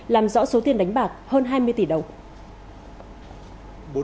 làm rõ số tiền đánh bạc hơn hai mươi tỷ đồng